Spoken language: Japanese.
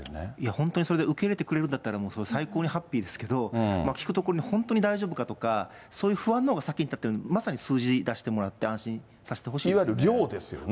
本当にそれで受け入れてくれるなら、もう最高にハッピーですけど、聞くところによると、本当に大丈夫だとか、そういう不安のほうが先に立ってるので、まさに数字出してもらって安心させてほしいですね。